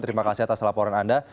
terima kasih atas laporan anda